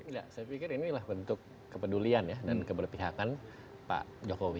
saya pikir inilah bentuk kepedulian dan keberpihakan pak jokowi